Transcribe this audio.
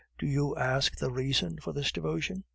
Do you ask the reason of this devotion?